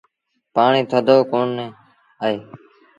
پآڻي ٿڌو ڪونا اهي۔